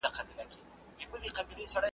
چي زړه به کله در سړیږی د اسمان وطنه ,